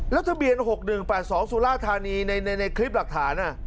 แล้วทะเบียน๖๑๘๒สุราธานีในคลิปหลักฐาน